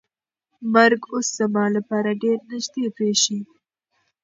مرګ اوس زما لپاره ډېر نږدې برېښي.